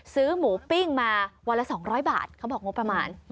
ซื้อหมูปิ้งมาวันละ๒๐๐บาทเขาบอกงบประมาณ